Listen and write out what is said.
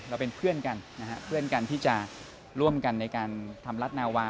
เราเป็นเพื่อนกันที่จะร่วมกันในการทำรัฐนาวา